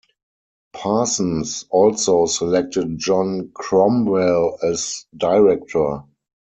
Parsons also selected John Cromwell as director.